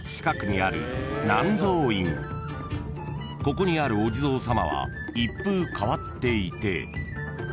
［ここにあるお地蔵様は一風変わっていて］